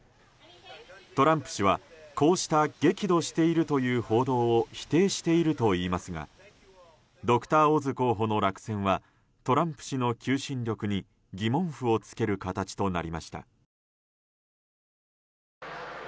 トランプ氏は、こうした激怒しているという報道を否定しているといいますがドクター・オズ候補の落選はトランプ氏の求心力に疑問符をつける形となりました。